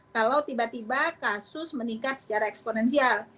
kalau tiba tiba kasus meningkat secara eksponensial